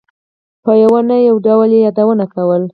په یوه نه یو ډول یې یادونه کوله.